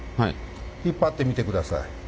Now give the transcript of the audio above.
引っ張ってみてください。